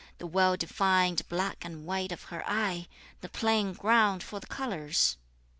The well defined black and white of her eye! The plain ground for the colours?"'